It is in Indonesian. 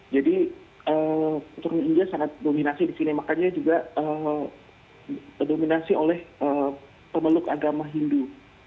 jadi pekerjaan india sangat dominasi disini makanya juga dominasi oleh pemeluk agama hindu